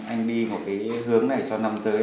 anh đi một cái hướng này cho năm tới